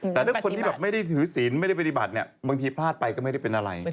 แต่ถ้าคนที่แบบไม่ได้ถือศีลไม่ได้ปฏิบัติเนี่ยบางทีพลาดไปก็ไม่ได้เป็นอะไร